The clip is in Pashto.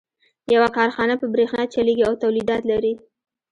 يوه کارخانه په برېښنا چلېږي او توليدات لري.